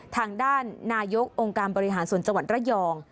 ทางด้านนายกองค์การบริหารส่วนจังหวัดระยอง